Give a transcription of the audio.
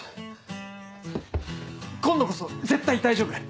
今度こそ絶対大丈夫！